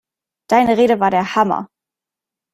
Deine Rede war der Hammer!